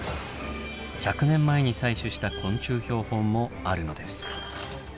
１００年前に採取した昆虫標本もあるのです。